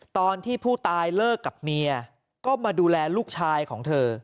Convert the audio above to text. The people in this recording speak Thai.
ตอนที่ผู้ตายเลิกกับเมียก็มาดูแลลูกชายของเธอ